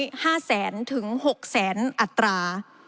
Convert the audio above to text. ฝากฝากฝากน้อย๕แสนถึง๖แสนอัตรา